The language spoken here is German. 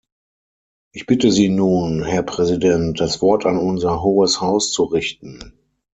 Ich bitte Sie nun, Herr Präsident, das Wort an unser Hohes Haus zu richten.